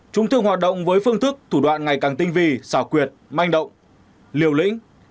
chúng thường hoạt động với phương thức thủ đoạn ngày càng tinh vi xảo quyệt manh động liều lĩnh